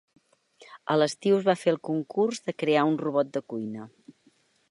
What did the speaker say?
A l'estiu es va fer el concurs de crear un robot de cuina.